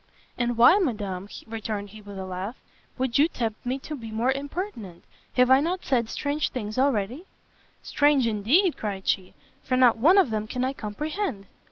"And why, Madam," returned he, with a laugh, "would you tempt me to be more impertinent? have I not said strange things already?" "Strange indeed," cried she, "for not one of them can I comprehend!"